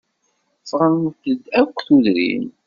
Ffɣent-d akk tudrin.